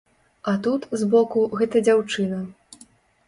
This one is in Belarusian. А тут, збоку, гэта дзяўчына.